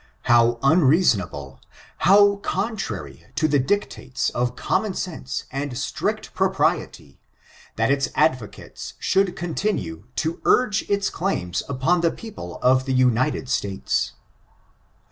How unreasonable, how contrary to the dictates of common sense and strict propriety, that its advocates should continue to urge its claims upon the people of the United States.